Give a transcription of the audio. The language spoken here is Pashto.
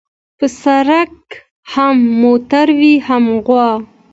په سړک هم موټر وي هم غوا.